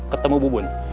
ketemu bu bun